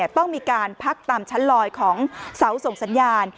ต้องมีการพักตามชั้นลอยของเสาส่งสัญญาณ